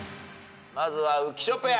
まずは浮所ペア。